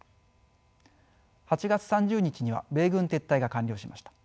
８月３０日には米軍撤退が完了しました。